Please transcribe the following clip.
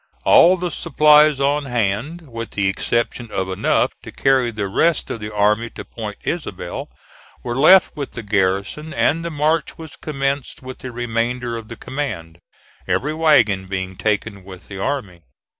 All the supplies on hand, with the exception of enough to carry the rest of the army to Point Isabel, were left with the garrison, and the march was commenced with the remainder of the command, every wagon being taken with the army.